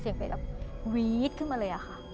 เสียงเปรตแบบวี๊ตขึ้นมาเลยอ่ะค่ะ